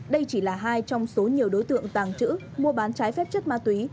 đây chỉ là hai trong số nhiều đối tượng tàng trữ mua bán trái phép chất ma túy